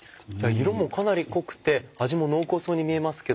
色もかなり濃くて味も濃厚そうに見えますけども。